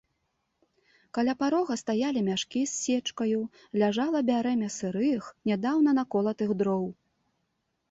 Каля парога стаялі мяшкі з сечкаю, ляжала бярэмя сырых, нядаўна наколатых дроў.